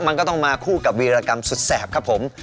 มันก็ต้องมาคู่กับวีรกรรมสุดแสบครับผม